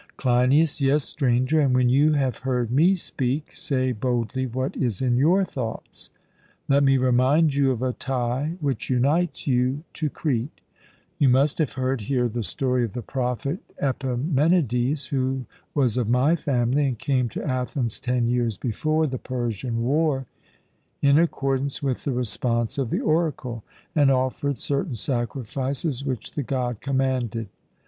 CLEINIAS: Yes, Stranger; and when you have heard me speak, say boldly what is in your thoughts. Let me remind you of a tie which unites you to Crete. You must have heard here the story of the prophet Epimenides, who was of my family, and came to Athens ten years before the Persian war, in accordance with the response of the Oracle, and offered certain sacrifices which the God commanded.